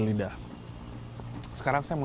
sudah pasang ke assistant